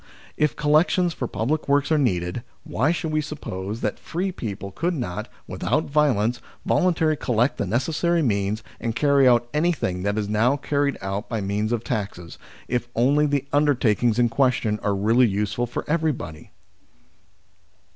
If collections for public works are needed, why should we suppose that free people could not, without violence, volun tarily collect the necessary means and carry out anything that is now carried out by means of taxes, if only the undertakings in question are really useful for everybody